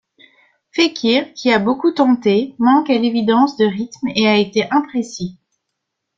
Fékir, qui a beaucoup tenté, manque à l'évidence de rythme et a été imprécis.